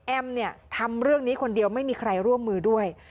เนี่ยทำเรื่องนี้คนเดียวไม่มีใครร่วมมือด้วย